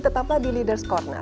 tetaplah di leaders' corner